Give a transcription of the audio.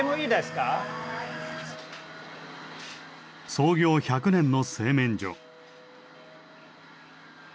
創業１００年の製麺所。